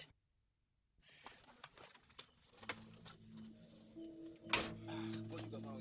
gue juga mau hidupin